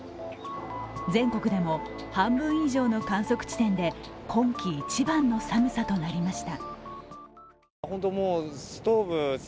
全国でも半分以上の観測地点で今季一番の寒さとなりました。